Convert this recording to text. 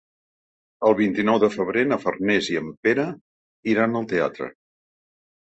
El vint-i-nou de febrer na Farners i en Pere iran al teatre.